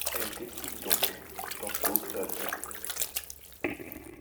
Elle décide donc d'entrer au club.